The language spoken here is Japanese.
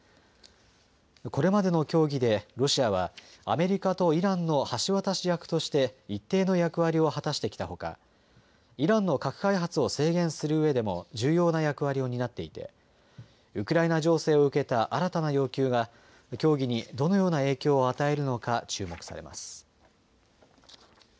これまでの協議でロシアはアメリカとイランの橋渡し役として一定の役割を果たしてきたほかイランの核開発を制限するうえでも重要な役割を担っていてウクライナ情勢を受けた新たな要求が協議にどのような影響を与えるのか注目されます。